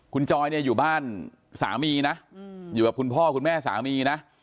คุณจอยเนี่ยอยู่บ้านสามีนะอยู่กับคุณพ่อคุณแม่สามีนะ